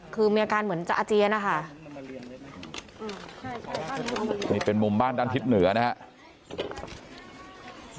คือมีอาการเหมือนจะเจียน่ะค่ะอืมใช่นี่เป็นมุมบ้านด้านทิศเหนือนะฮะ